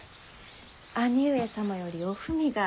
兄上様よりお文が。